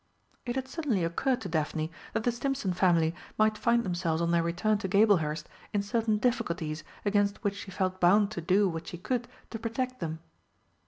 It had suddenly occurred to Daphne that the Stimpson family might find themselves on their return to Gablehurst in certain difficulties against which she felt bound to do what she could to protect them.